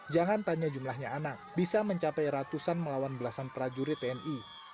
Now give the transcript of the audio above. jangan tanya jumlahnya anak bisa mencapai ratusan melawan belasan prajurit tni